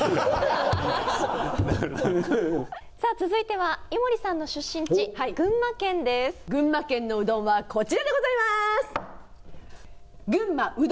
続いては群馬県のうどんはこちらでございます。